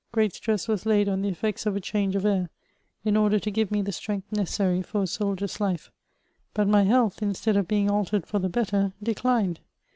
Great stress was laid on the effects of a change of air, in order to give me the strength necessary for a soldier's life ; but my health, instead of being altered for the better, declined.